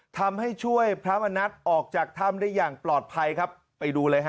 ทำให้ช่วยพระมณัฐออกจากถ้ำได้อย่างปลอดภัยครับไปดูเลยฮะ